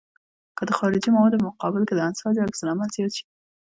که د خارجي موادو په مقابل کې د انساجو عکس العمل زیات شي.